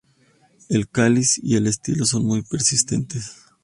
El cáliz y el estilo son muy persistentes.